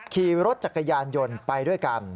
ขี่รถจักรยานยนต์ไปด้วยกัน